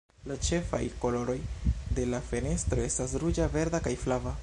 La ĉefaj koloroj de la fenestro estas ruĝa, verda kaj flava.